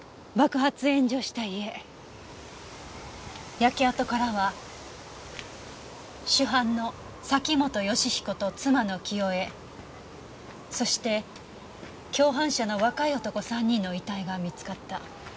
焼け跡からは主犯の崎本善彦と妻の清江そして共犯者の若い男３人の遺体が見つかった。